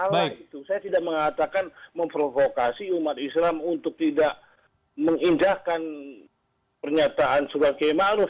saya tidak mengatakan memprovokasi umat islam untuk tidak mengindahkan pernyataan surat yaya ma'ruf